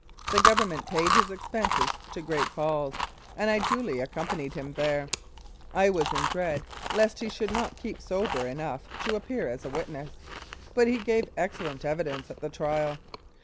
The Government paid his expenses to Great Falls, and I duly accompanied him there. I was in dread lest he should not keep sober enough to appear as a witness, but he gave excellent evidence at the trial.